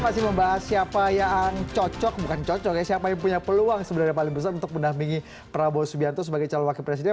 kita masih membahas siapa yang cocok bukan cocok ya siapa yang punya peluang sebenarnya paling besar untuk mendampingi prabowo subianto sebagai calon wakil presiden